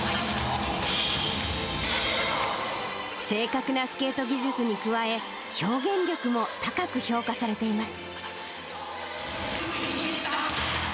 正確なスケート技術に加え、表現力も高く評価されています。